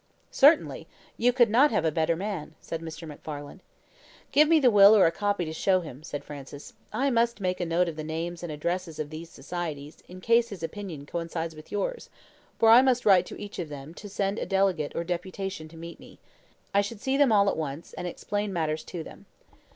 "Certainly, you could not have a better man," said Mr. MacFarlane. "Give me the will or a copy to show him," said Francis. "I must make a note of the names and addresses of these societies, in case his opinion coincides with yours, for I must write to each of them to send a delegate or deputation to meet me. I should see them all at once, and explain matters to them.